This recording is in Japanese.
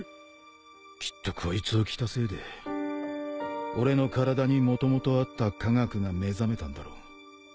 きっとこいつを着たせいで俺の体にもともとあった科学が目覚めたんだろう。